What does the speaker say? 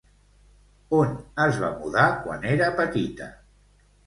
On es va mudar quan era petita?